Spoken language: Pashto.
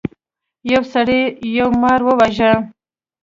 یو سړي یو مار وواژه.